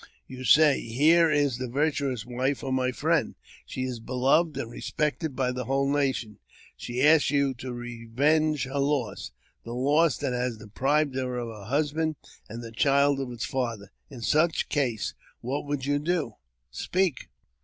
You say. Here is the virtuous wife of my friend ; she is beloved and respected by the whole nation. She asks you to revenge her loss — the loss that has deprived her of her husband and the child of its father. In such a case, what would you do ? Speak